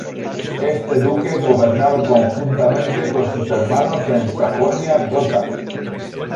Este duque gobernaba conjuntamente con sus hermanos en Sajonia-Gotha.